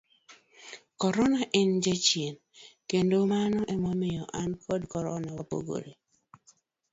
corona en Jachien, kendo mano emomiyo an kod corona wapogore